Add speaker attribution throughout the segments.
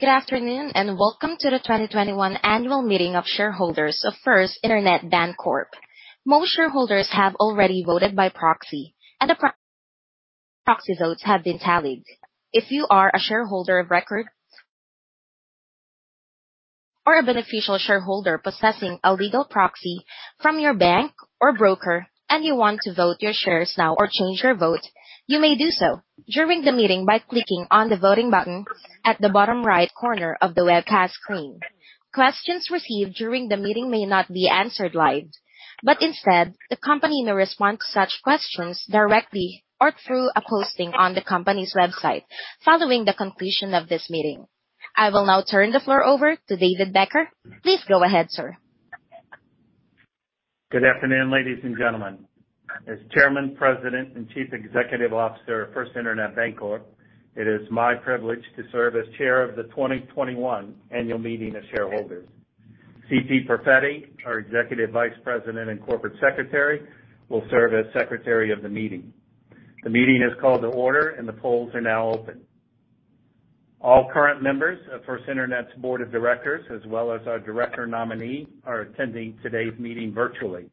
Speaker 1: Good afternoon, and welcome to the 2021 annual meeting of shareholders of First Internet Bancorp. Most shareholders have already voted by proxy, and the proxy votes have been tallied. If you are a shareholder of record or a beneficial shareholder possessing a legal proxy from your bank or broker, and you want to vote your shares now or change your vote, you may do so during the meeting by clicking on the Voting button at the bottom-right corner of the webcast screen. Questions received during the meeting may not be answered live. Instead, the company may respond to such questions directly or through a posting on the company's website following the conclusion of this meeting. I will now turn the floor over to David Becker. Please go ahead, sir.
Speaker 2: Good afternoon, ladies and gentlemen. As Chairman, President, and Chief Executive Officer of First Internet Bancorp, it is my privilege to serve as chair of the 2021 annual meeting of shareholders. C.C. Perfetti, our executive vice president and corporate secretary, will serve as secretary of the meeting. The meeting is called to order, and the polls are now open. All current members of First Internet's board of directors, as well as our director nominee, are attending today's meeting virtually.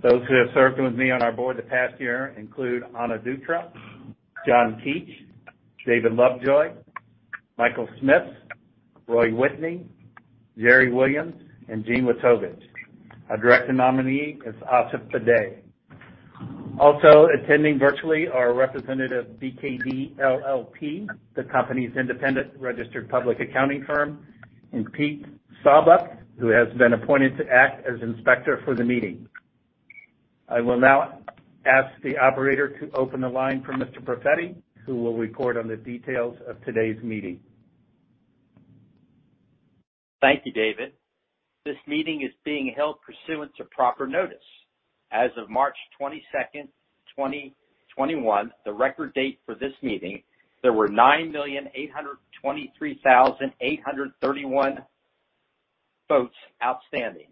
Speaker 2: Those who have served with me on our board the past year include Ana Dutra, John Keach, David Lovejoy, Michael Smith, Ralph R. Whitney, Jerry Williams, and Jean L. Wojtowicz. Our director nominee is Aasif M. Bade. Also attending virtually are a representative of BKD LLP, the company's independent registered public accounting firm, and Pete Saba, who has been appointed to act as inspector for the meeting. I will now ask the operator to open the line for Mr. Perfetti, who will report on the details of today's meeting.
Speaker 3: Thank you, David. This meeting is being held pursuant to proper notice. As of March 22nd, 2021, the record date for this meeting, there were 9,823,831 votes outstanding.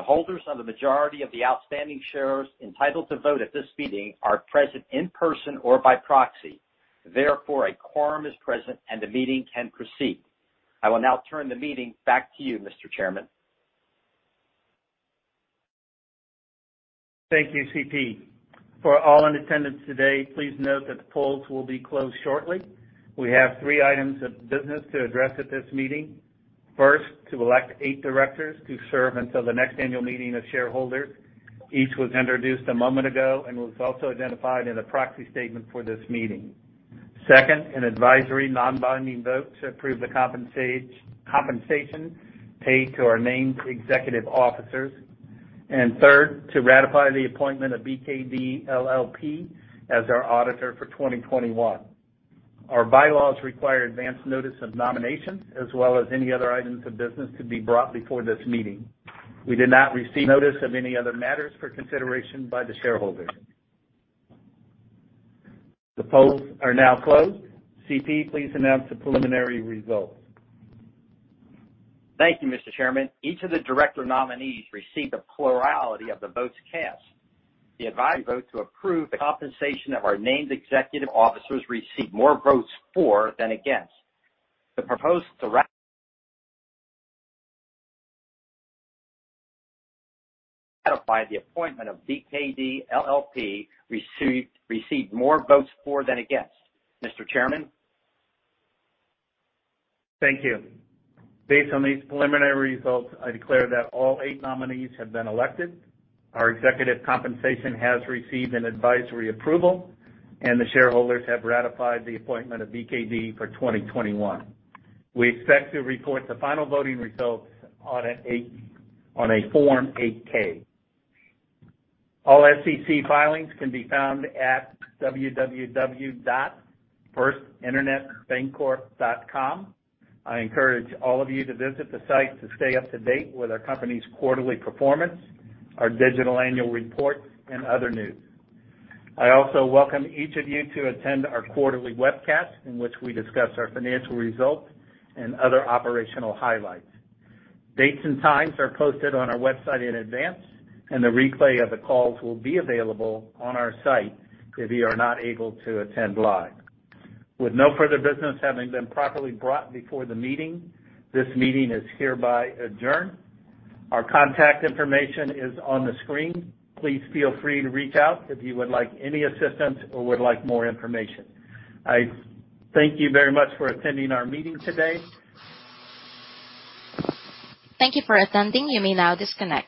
Speaker 3: The holders of the majority of the outstanding shares entitled to vote at this meeting are present in person or by proxy. A quorum is present, and the meeting can proceed. I will now turn the meeting back to you, Mr. Chairman.
Speaker 2: Thank you, CP. For all in attendance today, please note that the polls will be closed shortly. We have three items of business to address at this meeting. First, to elect eight directors to serve until the next annual meeting of shareholders. Each was introduced a moment ago and was also identified in the proxy statement for this meeting. Second, an advisory non-binding vote to approve the compensation paid to our named executive officers. Third, to ratify the appointment of BKD LLP as our auditor for 2021. Our bylaws require advance notice of nominations, as well as any other items of business to be brought before this meeting. We did not receive notice of any other matters for consideration by the shareholders. The polls are now closed. CP, please announce the preliminary results.
Speaker 3: Thank you, Mr. Chairman. Each of the director nominees received a plurality of the votes cast. The advisory vote to approve the compensation of our named executive officers received more votes for than against. The proposed to ratify the appointment of BKD LLP received more votes for than against. Mr. Chairman?
Speaker 2: Thank you. Based on these preliminary results, I declare that all eight nominees have been elected, our executive compensation has received an advisory approval, and the shareholders have ratified the appointment of BKD for 2021. We expect to report the final voting results on a Form 8-K. All SEC filings can be found at www.firstinternetbancorp.com. I encourage all of you to visit the site to stay up to date with our company's quarterly performance, our digital annual report, and other news. I also welcome each of you to attend our quarterly webcast in which we discuss our financial results and other operational highlights. Dates and times are posted on our website in advance, and the replay of the calls will be available on our site if you are not able to attend live. With no further business having been properly brought before the meeting, this meeting is hereby adjourned. Our contact information is on the screen. Please feel free to reach out if you would like any assistance or would like more information. I thank you very much for attending our meeting today.
Speaker 1: Thank you for attending. You may now disconnect.